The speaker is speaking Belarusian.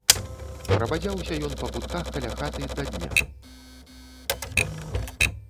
Прабадзяўся ён па кутках каля хаты да дня.